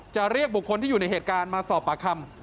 เรียกบุคคลที่อยู่ในเหตุการณ์มาสอบปากคำ